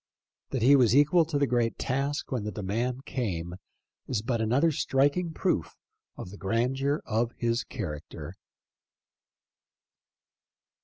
That he was equal to the great task when the demand came is but another striking proof of the grandeur of his character.